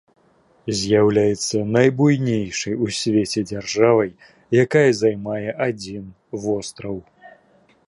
З'яўляецца найбуйнейшай у свеце дзяржавай, якая займае адзін востраў.